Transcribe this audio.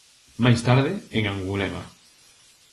Máis tarde, en Angulema.